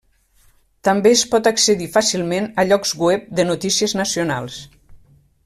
També es pot accedir fàcilment a llocs web de notícies nacionals.